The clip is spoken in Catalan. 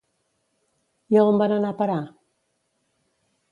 I a on van anar a parar?